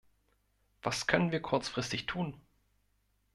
Was können wir kurzfristig tun?